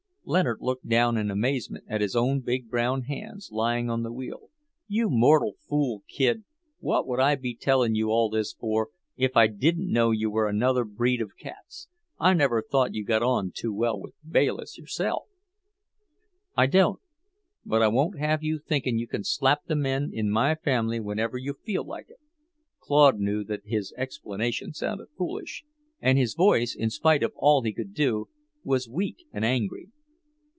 Leonard looked down in amazement at his own big brown hands, lying on the wheel. "You mortal fool kid, what would I be telling you all this for, if I didn't know you were another breed of cats? I never thought you got on too well with Bayliss yourself." "I don't, but I won't have you thinking you can slap the men in my family whenever you feel like it." Claude knew that his explanation sounded foolish, and his voice, in spite of all he could do, was weak and angry.